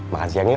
makasih yang nyep